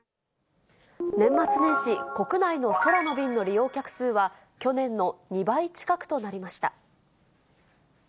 年末年始、国内の空の便の利用客数は去年の２倍近くとなりました。